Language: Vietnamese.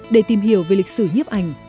để tìm hiểu về lịch sử nhiếp ảnh